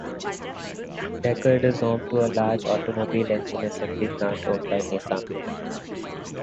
Decherd is home to a large automobile engine assembly plant owned by Nissan.